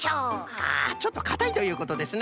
あちょっとかたいということですな。